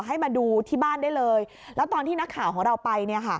ให้มาดูที่บ้านได้เลยแล้วตอนที่นักข่าวของเราไปเนี่ยค่ะ